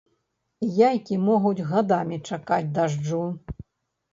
Яйкі могуць гадамі чакаць дажджу.